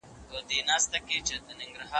پاڼې له همدې ونې تازه اوبه څښلې وې.